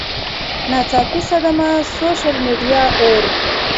ناڅاپي صدمه ، سوشل میډیا اوور